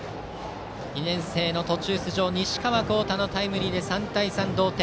２年生の途中出場、西川のタイムリーで３対３の同点。